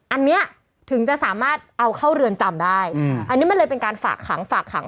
อันนี้ถึงจะสามารถเอาเข้าเรือนจำได้อันนี้มันเลยเป็นการฝากขังฝากขัง